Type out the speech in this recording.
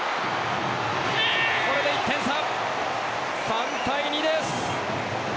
これで１点差、３対２です！